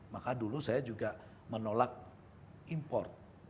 maka dulu saya juga menolak import